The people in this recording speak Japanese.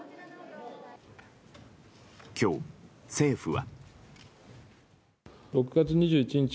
今日、政府は。